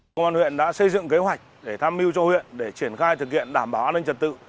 công an huyện đã xây dựng kế hoạch để tham mưu cho huyện để triển khai thực hiện đảm bảo an ninh trật tự